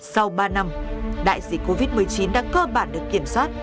sau ba năm đại dịch covid một mươi chín đã cơ bản được kiểm soát